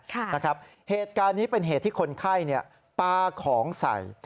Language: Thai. เหตุการณ์นี้เป็นเหตุที่คนไข้ปลาของใส่